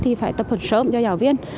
thì phải tập hợp sớm cho giáo viên